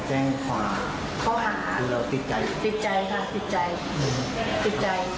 แจ้งฝ่าฝ่าคือเราติดใจติดใจค่ะติดใจติดใจ